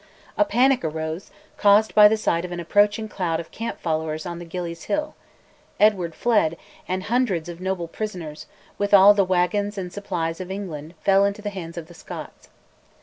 A panic arose, caused by the sight of an approaching cloud of camp followers on the Gillie's hill; Edward fled, and hundreds of noble prisoners, with all the waggons and supplies of England, fell into the hands of the Scots.